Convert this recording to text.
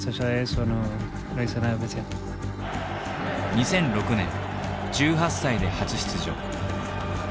２００６年１８歳で初出場。